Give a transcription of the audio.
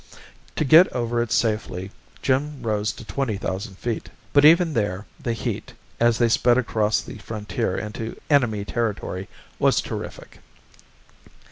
To get over it safely, Jim rose to twenty thousand feet, but even there the heat, as they sped across the frontier into enemy territory, was terrific.